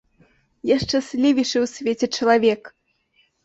Я шчаслівейшы ў свеце чалавек!